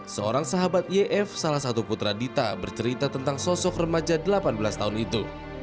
seorang sahabat yf salah satu putra dita bercerita tentang sosok remaja delapan belas tahun itu